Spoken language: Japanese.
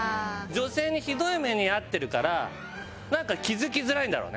女性にひどい目に遭ってるからなんか気付きづらいんだろうね。